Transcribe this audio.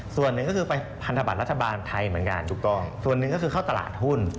ส่วนหนึ่งก็คือไปพันธบัตรรัฐบาลไทยเหมือนกันถูกต้องส่วนหนึ่งก็คือเข้าตลาดหุ้น